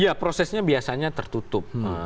ya prosesnya biasanya tertutup